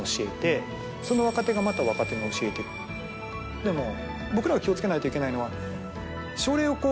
でも僕らが気を付けないといけないのは。